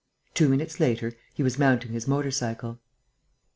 Two minutes later, he was mounting his motor cycle.